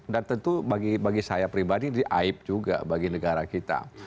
dan tentu bagi saya pribadi diaip juga bagi negara kita